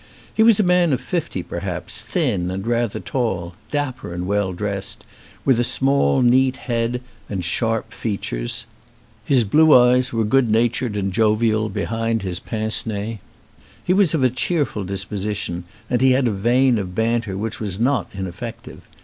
He was a man of fifty perhaps, thin and rather tall, dapper and well dressed, with a small, neat head and sharp features. His blue eyes were good natured and jovial behind his pince nez. He was of a cheerful disposition, and he had a vein of banter which was not ineffective.